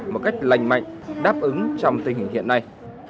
một cách lành mạnh đáp ứng trong tình hình hiện nay